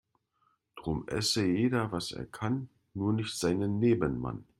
Drum esse jeder was er kann, nur nicht seinen Nebenmann.